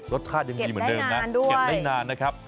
รสชาติยังดีเหมือนเดิมนะเก็บได้นานนะครับ